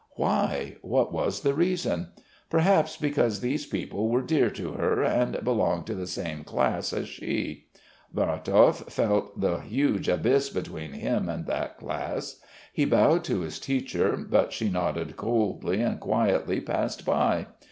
Why? What was the reason? Perhaps because these people were dear to her and belonged to the same class as she. Vorotov felt the huge abyss between him and that class. He bowed to his teacher, but she nodded coldly and quietly passed by.